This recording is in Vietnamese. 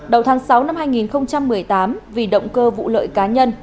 đầu tháng sáu năm hai nghìn một mươi tám vì động cơ vụ lợi cá nhân